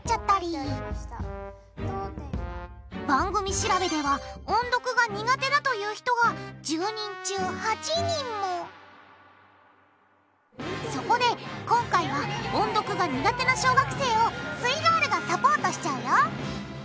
番組調べではそこで今回は音読が苦手な小学生をすイガールがサポートしちゃうよ！